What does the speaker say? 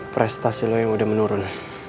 prestasi lo yang udah menurun